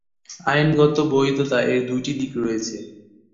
আইনগত বৈধতা: এর দুইটি দিক রয়েছে।